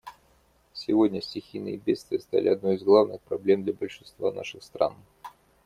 Сегодня стихийные бедствия стали одной из главных проблем для большинства наших стран.